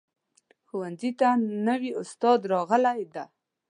ښوونځي ته نوي استاد راغلی ده